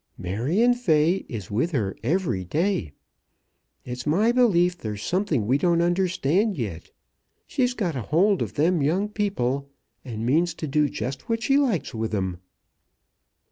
Marion Fay is with her every day. It's my belief there's something we don't understand yet. She's got a hold of them young people, and means to do just what she likes with 'em."